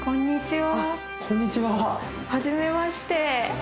はじめまして。